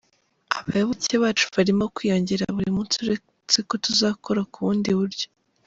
Abayoboke bacu barimo kwiyongera buri munsi uretse ko tuzakora ku bundi buryo.